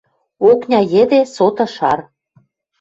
Окня йӹде соты шар.